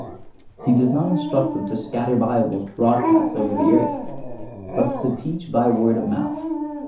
He does not instruct them to scatter Bibles broadcast over the earth, but to teach by word of mouth.